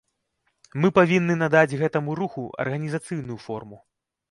Мы павінны надаць гэтаму руху арганізацыйную форму.